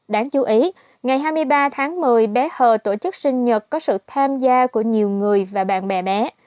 đáng chú ý ngày hai mươi ba tháng một mươi bé hờ tổ chức sinh nhật có sự tham gia của nhiều người và bạn bè bé